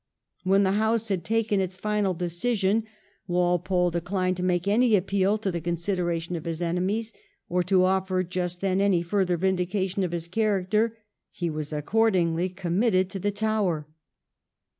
When the House had taken its final decision Walpole declined to make any appeal to the consideration of his enemies, or to oflFer just then any further vindication of his character ; he was accordingly committed to the Tower.